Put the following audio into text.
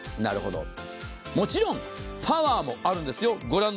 もちろんパワーもあるんです。